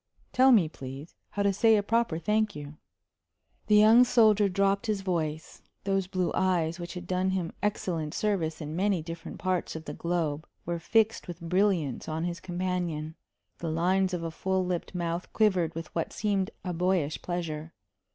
tell me, please, how to say a proper thank you." The young soldier dropped his voice. Those blue eyes which had done him excellent service in many different parts of the globe were fixed with brilliance on his companion; the lines of a full lipped mouth quivered with what seemed a boyish pleasure.